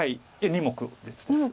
２目です。